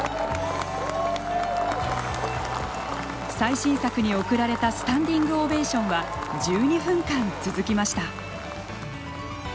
最新作に送られたスタンディングオベーションは１２分間、続きました。